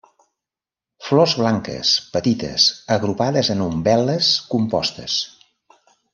Flors blanques, petites, agrupades en umbel·les compostes.